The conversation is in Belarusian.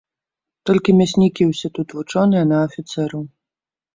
Толькі мяснікі ўсе тут вучоныя на афіцэраў.